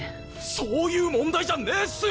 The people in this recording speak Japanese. そういう問題じゃねえっすよ！